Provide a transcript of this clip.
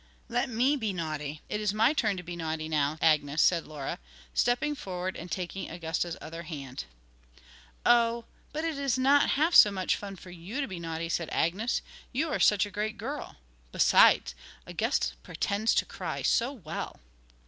'Let me be naughty; it is my turn to be naughty now, Agnes,' said Laura, stepping forwards and taking Augusta's other hand. 'Oh, but it is not half so much fun for you to be naughty,' said Agnes; 'you are such a great girl. Besides, Augusta pretends to cry so well.'